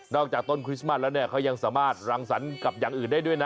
จากต้นคริสต์มัสแล้วเนี่ยเขายังสามารถรังสรรค์กับอย่างอื่นได้ด้วยนะ